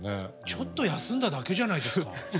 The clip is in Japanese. ちょっと休んだだけじゃないですか。